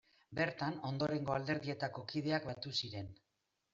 Bertan ondorengo alderdietako kideak batu ziren.